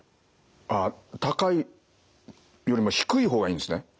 あっ高いよりも低い方がいいんですね。